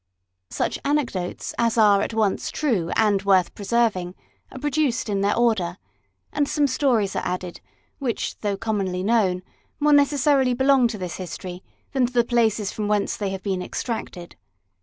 Such anecdotes as are at once true and worth preserving are produced in their order, and some stories are added, which, though commonly known, more necessarily belong to this history than to the places from whence they have been extracted.